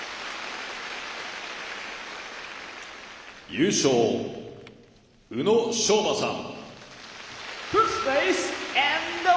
優勝の宇野昌磨さん。